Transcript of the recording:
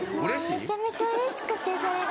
めちゃめちゃ嬉しくてそれが。